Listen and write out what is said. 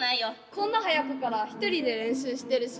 こんな早くから一人で練習してるし。